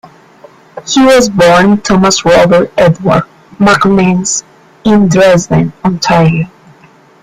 He was born Thomas Robert Edward McInnes in Dresden, Ontario.